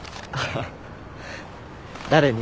誰に？